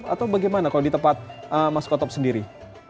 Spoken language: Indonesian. atau bagaimana kalau di tempat mas otop sendiri